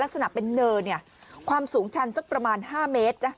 ลักษณะเป็นเนินความสูงชันสักประมาณ๕เมตร